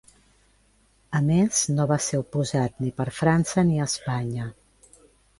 A més, no va ser oposat per ni França ni Espanya.